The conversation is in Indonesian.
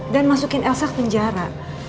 dan masukin elsa ke penjara